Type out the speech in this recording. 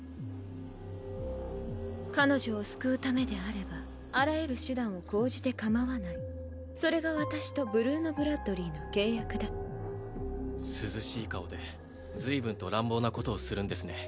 彼女を救うためであればあらゆる手段を講じてかまわないそれが私とブルーノ＝ブラッドリィの契約だ涼しい顔で随分と乱暴なことをするんですね